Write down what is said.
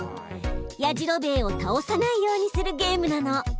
やじろべえをたおさないようにするゲームなの！